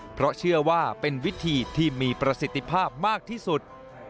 เพราะเชื่อว่าเป็นวิธีที่มีประสิทธิภาพมากที่สุด